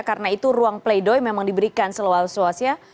karena itu ruang play doh memang diberikan seluas luasnya